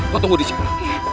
kau tunggu disini